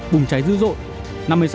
bùng cháy dữ dội